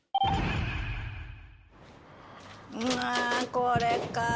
うわぁ、これかぁ。